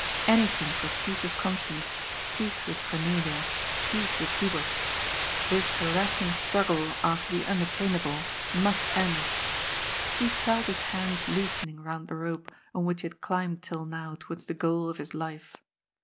Anything for peace of conscience, peace with Cornelia, peace with Hubert. This harassing struggle after the unattainable must end. He felt his hands loosening round the rope, on which he had climbed till now towards the goal of his life.